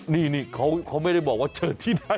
นี่เขาไม่ได้บอกว่าเจอที่ไหน